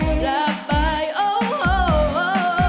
หลับไปโอ้โหโหโหโห